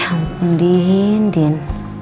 ya ampun din din